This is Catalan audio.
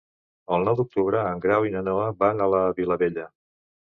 El nou d'octubre en Grau i na Noa van a la Vilavella.